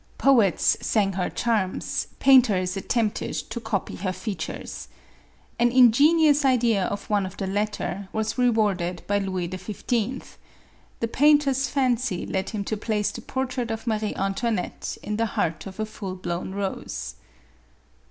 Poets sang her charms, painters at tempted to copy her features. An ingenious idea of one of the latter, was rewarded by Louis XV. The painter's fancy led him to place the portrait of Marie Antoinette in the heart of a full blown rose."